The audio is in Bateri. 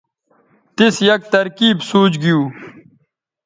تِیس یک ترکیب سوچ گِیُو